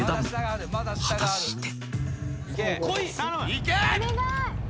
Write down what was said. いけ。